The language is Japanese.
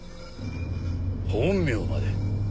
本名まで。